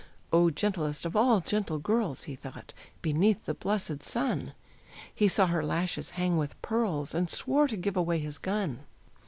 "Oh, gentlest of all gentle girls! He thought, beneath the blessed sun!" He saw her lashes hang with pearls, And swore to give away his gun.